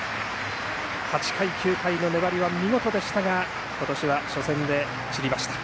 ８回、９回の粘りは見事でしたが今年は初戦で散りました。